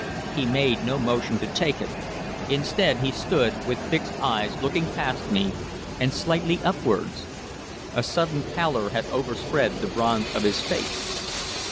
He made no motion to take it. Instead he stood with fixed eyes looking past me and slightly upwards. A sudden pallor had overspread the bronze of his face.